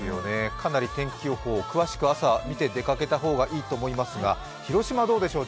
かなり天気予報、詳しく朝、見て出かけた方がいいと思いますが、広島どうでしょう？